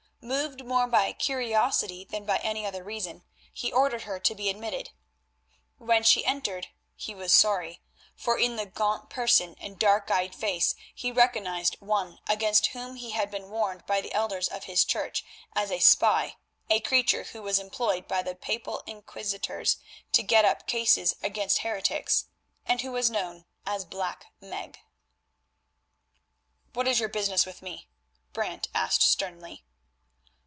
Moved more by curiosity than by any other reason, he ordered her to be admitted. When she entered he was sorry, for in the gaunt person and dark eyed face he recognised one against whom he had been warned by the elders of his church as a spy, a creature who was employed by the papal inquisitors to get up cases against heretics, and who was known as Black Meg. "What is your business with me?" Brant asked sternly.